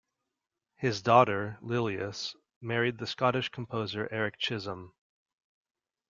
His daughter, Lillias, married the Scottish composer Erik Chisholm.